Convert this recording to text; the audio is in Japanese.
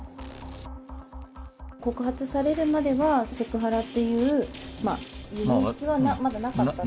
告発されるまでは、セクハラっていう認識はまだなかったのか。